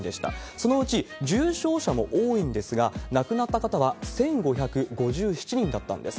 そのうち、重症者も多いんですが、亡くなった方は１５５７人だったんです。